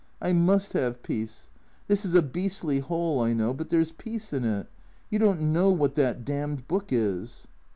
I must have peace. This is a beastly hole, I know, but there 's peace in it. You don't know what that damned book is."